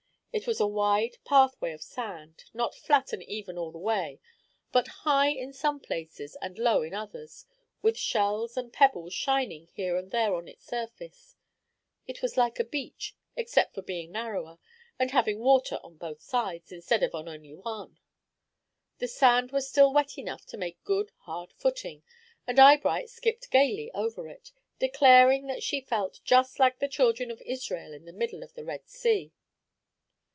It was a wide pathway of sand, not flat and even all the way, but high in some places and low in others, with shells and pebbles shining here and there on its surface. It was like a beach, except for being narrower, and having water on both sides of it, instead of on only one. The sand was still wet enough to make good hard footing, and Eyebright skipped gayly over it, declaring that she felt just like the children of Israel in the middle of the Red Sea.